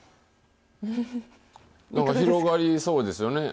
なんか広がりそうですよね。